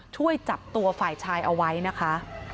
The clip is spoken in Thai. ช่วยจับตัวฝ่ายชายเอาไว้นะคะ